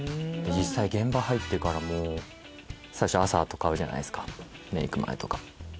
実際現場入ってからも最初朝とか会うじゃないですかメイク前とか。